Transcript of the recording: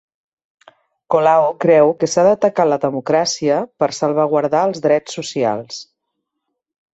Colau creu que s'ha d'atacar la democràcia per salvaguardar els drets socials